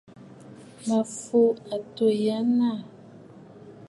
Mǝ̀ fùu àtû yâ natt.